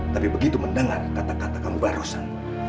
tapi begitu mendengar kata kata kamu barosan